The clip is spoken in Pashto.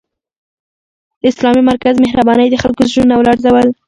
د اسلامي مرکز مهربانۍ د خلکو زړونه ولړزول